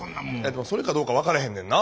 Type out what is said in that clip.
でもそれかどうか分からへんねんな。